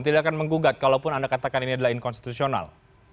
tidak akan menggugat kalaupun anda katakan ini adalah inkonstitusional